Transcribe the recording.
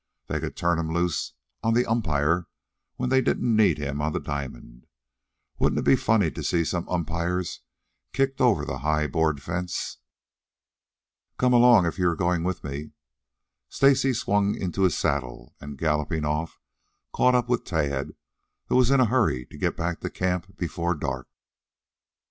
They could turn him loose on the umpire when they didn't need him on the diamond. Wouldn't it be funny to see some umpires kicked over the high board fence?" "Come along if you are going with me." Stacy swung into his saddle, and, galloping off, caught up with Tad, who was in a hurry to get back to camp before dark.